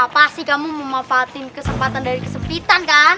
pasti kamu mau memanfaatin kesempatan dari kesepitan kan